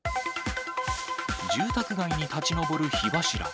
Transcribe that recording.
住宅街に立ち上る火柱。